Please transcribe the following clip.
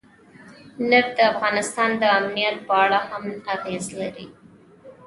نفت د افغانستان د امنیت په اړه هم اغېز لري.